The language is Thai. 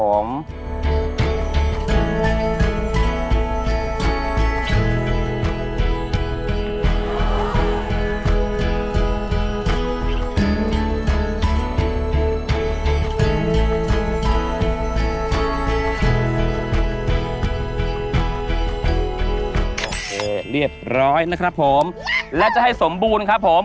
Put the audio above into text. โอเคเย็บร้อยแล้วจะให้กันสมบูรณ์ครับผม